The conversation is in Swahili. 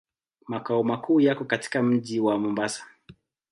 Makao makuu yako katika mji wa Mombasa.